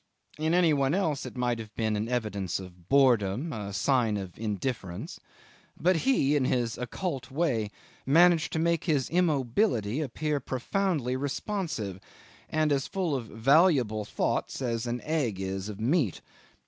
'In any one else it might have been an evidence of boredom, a sign of indifference; but he, in his occult way, managed to make his immobility appear profoundly responsive, and as full of valuable thoughts as an egg is of meat.